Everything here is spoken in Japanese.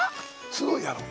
すごいやろ？